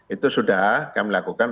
itu sudah kami lakukan